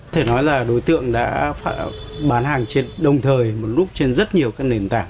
thể nói là đối tượng đã bán hàng trên đồng thời một lúc trên rất nhiều các nền tảng